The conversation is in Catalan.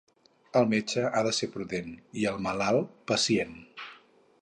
El metge ha de ser prudent i, el malalt, pacient.